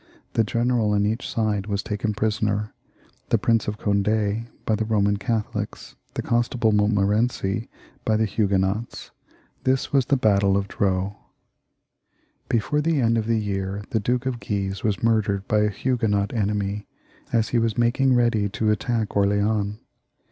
The general on each side was taken prisoner — ^the Prince of Cond6 by the Eoman Catholics, the Constable Montmor ency by the Huguenots. This was the battle of Dreux. Before the end of the year the Duke of Guise was murdered by a Huguenot enemy, as he was making ready 276 CHARLES IX, ' [CH. tx) attack Orleans.